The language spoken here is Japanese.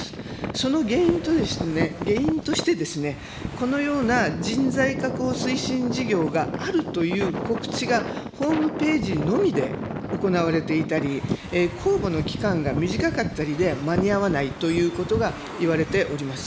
その原因としてですね、このような人材確保推進事業があるという告知がホームページのみで行われていたり、公募の期間が短かったりで、間に合わないということがいわれております。